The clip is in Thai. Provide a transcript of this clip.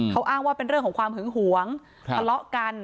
เขาอ้างว่าเป็นเรื่องของความหึงหวงทะเลาะกัน